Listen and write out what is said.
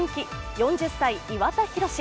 ４０歳、岩田寛。